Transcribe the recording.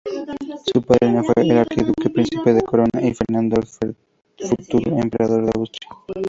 Su padrino fue el archiduque príncipe de la corona, Fernando, futuro emperador de Austria.